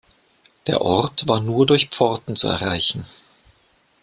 Der Ort war nur durch Pforten zu erreichen.